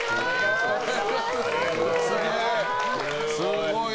すごい。